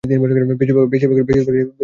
বেশিরভাগ হিরোরই একটা ডানহাত থাকে।